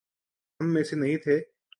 ہم میں سے نہیں تھے؟